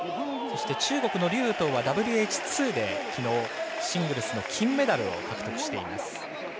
中国の劉禹とうはＷＨ２できのう、シングルスの金メダルを獲得しています。